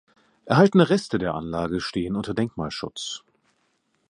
Erhaltene Reste der Anlage stehen unter Denkmalschutz.